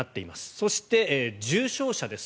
そして重症者です。